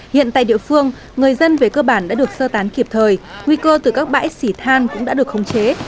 hiện tại địa phương người dân về cơ bản đã được sơ tán kịp thời nguy cơ từ các bãi xỉ than cũng đã được khống chế